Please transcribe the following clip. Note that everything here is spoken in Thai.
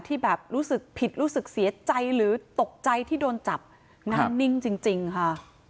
ที่แบบรู้สึกผิดรู้สึกเสียใจหรือตกใจที่โดนจับงานนิ่งจริงค่ะ